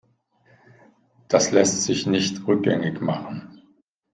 Das lässt sich nicht rückgängig machen.